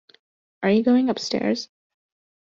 Are you going upstairs?